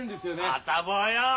あたぼうよ。